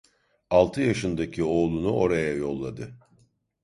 Altı yaşındaki oğlunu oraya yolladı.